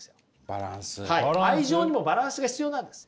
愛情にもバランスが必要なんです。